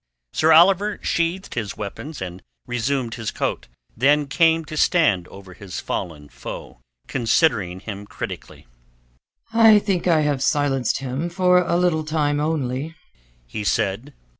Sir Oliver sheathed his weapons and resumed his coat, then came to stand over his fallen foe, considering him critically. "I think I have silenced him for a little time only," he said.